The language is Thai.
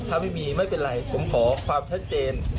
ถ้าไม่มีไม่เป็นไรผมขอความชัดเจน